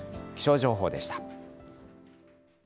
気象情報でした。